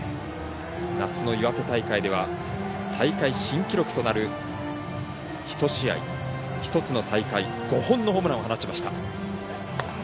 夏の岩手大会では大会新記録となる１つの大会５本のホームランを放ちました。